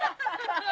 ハハハ！